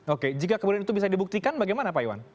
oke jika kemudian itu bisa dibuktikan bagaimana pak iwan